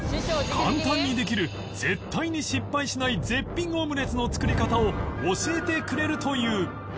簡単にできる絶対に失敗しない絶品オムレツの作り方を教えてくれるという